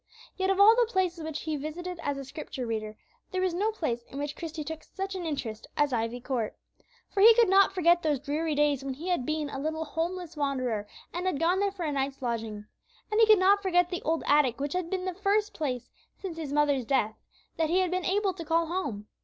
Yet, of all the places which he visited as a Scripture reader, there was no place in which Christie took such an interest as Ivy Court. For he could not forget those dreary days when he had been a little homeless wanderer, and had gone there for a night's lodging. And he could not forget the old attic which had been the first place, since his mother's death, that he had been able to call home.